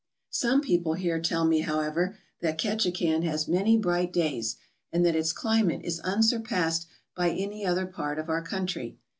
Some people here tell me, however, that Ketchikan has many bright days and that its climate is unsurpassed by any other part of our country.